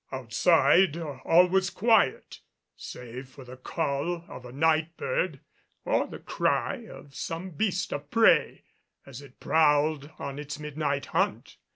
Outside all was quiet save for the call of a night bird or the cry of some beast of prey as it prowled on its midnight hunt.